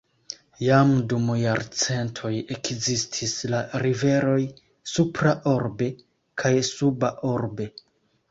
Jam dum jarcentoj ekzistis la riveroj "Supra Orbe" kaj "Suba Orbe".